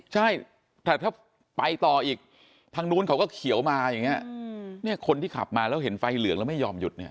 ใช่แต่ถ้าไปต่ออีกทางนู้นเขาก็เขียวมาอย่างนี้เนี่ยคนที่ขับมาแล้วเห็นไฟเหลืองแล้วไม่ยอมหยุดเนี่ย